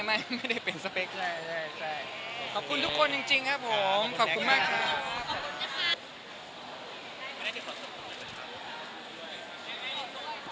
เยอร์คุณจริงไม่เปลี่ยนสเปก